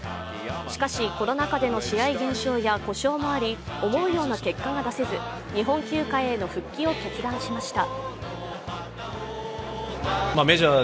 しかし、コロナでの試合減少や故障もあり、思うような結果が出せず日本球界への復帰を決断しました。